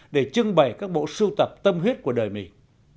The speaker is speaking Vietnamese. để trưng bày các bộ sưu tập tâm huyết của đời mình